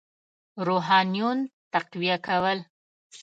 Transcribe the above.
روحانیون تقویه کول.